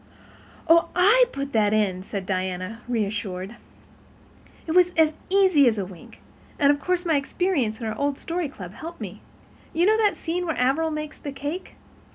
"Oh, I put that in," said Diana, reassured. "It was as easy as wink—and of course my experience in our old Story Club helped me. You know the scene where Averil makes the cake?